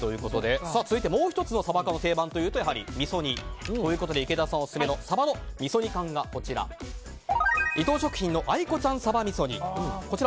続いてもう１つのサバ缶の定番というとやはり、みそ煮ということで池田さんオススメのサバのみそ煮缶が伊藤食品のあいこちゃん鯖味噌煮。